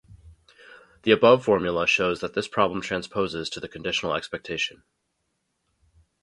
The above formula shows that this problem transposes to the conditional expectation.